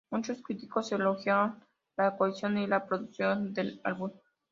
Muchos críticos elogiaron la cohesión y la producción del álbum.